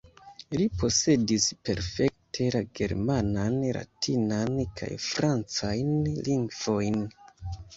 Li posedis perfekte la germanan, latinan kaj francajn lingvojn.